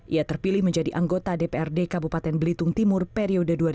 ia terpilih menjadi anggota dprd kabupaten belitung timur periode dua ribu dua puluh